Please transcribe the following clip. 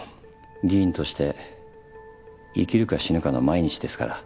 議員として生きるか死ぬかの毎日ですから。